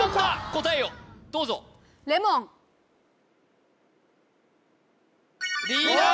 答えをどうぞリーダー